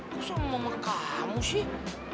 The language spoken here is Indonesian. kok sama mama kamu sih